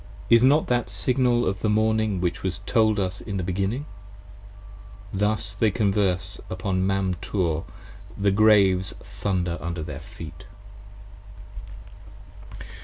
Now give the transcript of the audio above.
Is it not that Signal of the Morning which was told us in the Beginning? 27 Thus they converse upon Mam Tor, the Graves thunder under their feet.